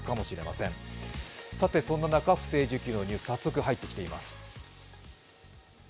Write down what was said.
そんな中、不正受給のニュース、早速入ってきています。